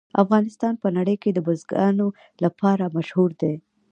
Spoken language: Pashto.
افغانستان په نړۍ کې د بزګانو لپاره مشهور دی.